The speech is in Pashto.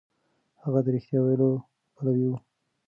هغه د رښتيا ويلو پلوی و.